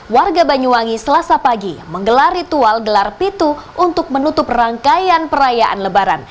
warga banyuwangi selasa pagi menggelar ritual gelar pitu untuk menutup rangkaian perayaan lebaran